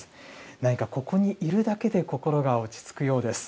何かここにいるだけで心が落ち着くようです。